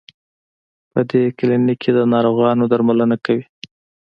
په دې کلینک کې د ناروغانو درملنه کوي.